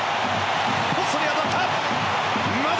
ポストに当たった！